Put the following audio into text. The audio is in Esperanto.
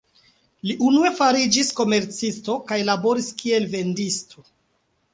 Li unue fariĝis komercisto kaj laboris kiel vendisto.